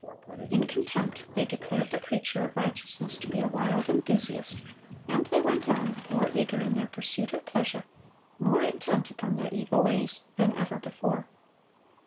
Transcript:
In contempt they declared the preacher of righteousness to be a wild enthusiast; and they went on, more eager in their pursuit of pleasure, more intent upon their evil ways, than ever before.